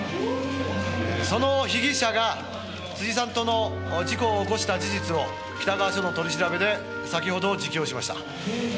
「その被疑者が辻さんとの事故を起こした事実を北川署の取り調べで先ほど自供しました」